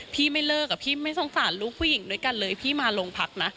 ไม่เลิกอะพี่ไม่สงสารลูกผู้หญิงด้วยกันเลยพี่มาโรงพักนะ